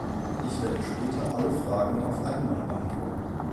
Ich werde später alle Fragen auf einmal beantworten.